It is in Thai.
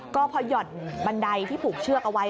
ก็พอหย่อนบันไดที่ผูกเชือกเอาไว้